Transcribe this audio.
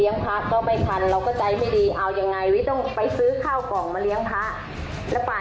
ไม่มาเลยครับโต๊ะจีนไม่มาเลย